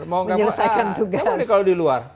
menyelesaikan tugas memang di luar